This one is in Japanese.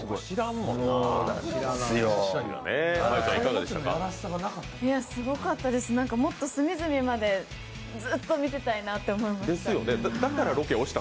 もっと隅々までずっと見てたいなって思いました。